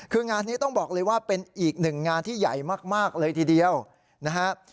คืองานนี้ต้องบอกเลยว่าเป็นอีกหนึ่งงานที่ใหญ่มากเลยทีเดียวนะครับ